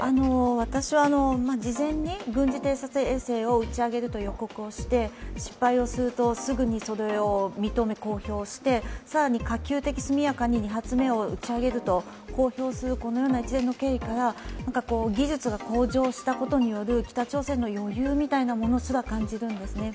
私は、事前に軍事偵察衛星を打ち上げるという予告をして失敗するとすぐにそれを認め、公表して、更に可及的速やかに２発目を打ち上げると公表するこのような一連の経緯から、技術が向上したことによる北朝鮮の余裕すら感じられるんですね。